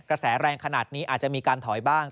กระแสแรงขนาดนี้อาจจะมีการถอยบ้าง